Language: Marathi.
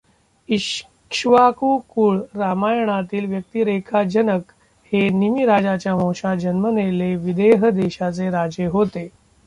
इक्ष्वाकु कुळ रामायणातील व्यक्तिरेखाजनक हे निमि राजाच्या वंशात जन्मलेले विदेह देशाचे राजे होते.